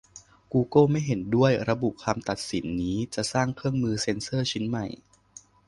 กูเกิลไม่เห็นด้วย ระบุคำตัดสินนี้จะสร้างเครื่องมือเซ็นเซอร์ชิ้นใหม่